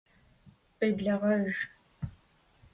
Khêblağe.